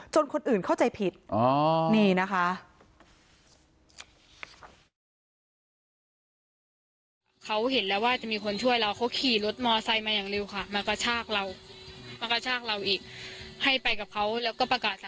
จนคนอื่นเข้าใจผิด